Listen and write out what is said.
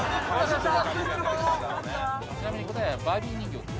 ちなみに答えはバービー人形です。